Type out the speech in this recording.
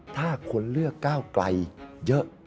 ถ้าคนเลือกก้าวไกลเยอะ